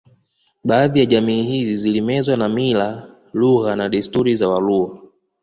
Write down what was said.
Baadhi ya jamii hizi zilimezwa na mila lugha na desturi za Waluo